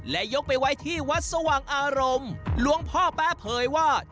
และยกไปไว้ที่วัดสว่างอารมณ์หลวงพ่อแป๊ะเผยว่า